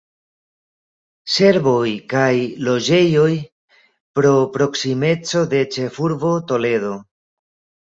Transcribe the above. Servoj kaj loĝejoj pro proksimeco de ĉefurbo Toledo.